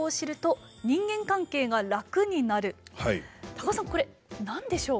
高尾さんこれ何でしょう？